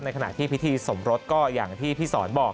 ขณะที่พิธีสมรสก็อย่างที่พี่สอนบอก